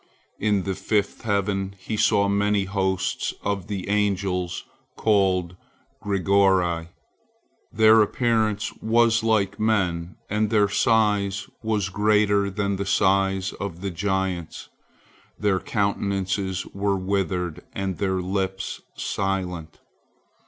In the fifth heaven he saw many hosts of the angels called Grigori. Their appearance was like men, and their size was greater than the size of the giants, their countenances were withered, and their lips silent.